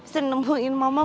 seneng nemuin mama